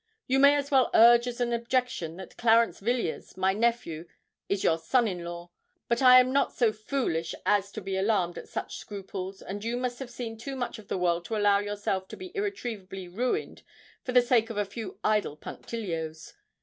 "You may as well urge as an objection that Clarence Villiers, my nephew, is your son in law; but I am not so foolish as to be alarmed at such scruples, and you must have seen too much of the world to allow yourself to be irretrievably ruined for the sake of a few idle punctilios.